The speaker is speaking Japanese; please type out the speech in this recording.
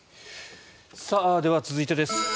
では、続いてです。